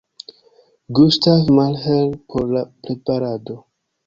Gustav Mahler por la preparado.